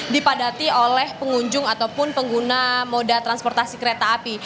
dipadati oleh pengunjung ataupun pengguna moda transportasi kereta api